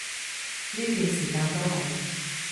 呢段時間都係